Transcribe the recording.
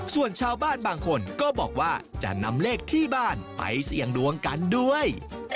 ส่วนชาวบ้านบางคนก็บอกว่าจะนำเลขที่บ้านไปเสี่ยงดวงกันด้วย